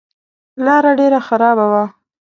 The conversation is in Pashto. لاره ډېره خرابه وه.